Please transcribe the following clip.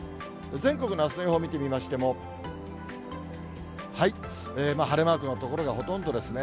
全国のあすの予報を見てみましても、晴れマークの所がほとんどですね。